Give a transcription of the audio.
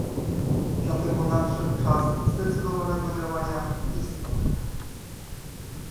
Dlatego nadszedł czas na zdecydowane działania ze strony Europy